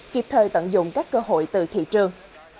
kịp thời tận dụng các cơ hội từ thị trường